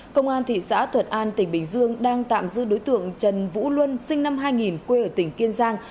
công an thị xã thuận an tỉnh bình dương đang tạm giữ đối tượng trần vũ luân sinh năm hai nghìn quê ở tỉnh kiên giang